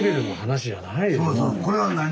これは何？